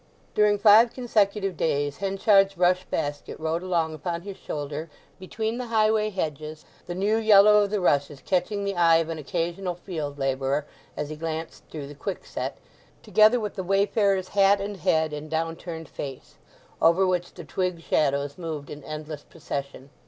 During five consecutive days Henchard's rush basket rode along upon his shoulder between the highway hedges, the new yellow of the rushes catching the eye of an occasional field labourer as he glanced through the quickset, together with the wayfarer's hat and head, and down turned face, over which the twig shadows moved in endless procession.